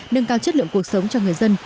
nâng cao chất lượng cuộc sống cho người dân